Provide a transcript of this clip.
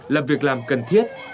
là việc làm cần thiết